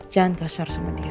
jangan kasar sama dia